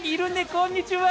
こんにちは！